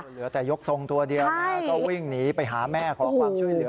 เหลือแต่ยกทรงตัวเดียวก็วิ่งหนีไปหาแม่ขอความช่วยเหลือ